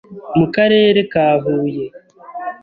Mu karere ka Huye